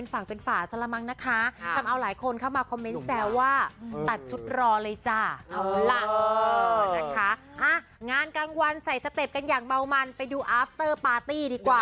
งานกลางวันใส่สเต็ปกันอย่างเมามันไปดูอาฟเตอร์ปาร์ตี้ดีกว่า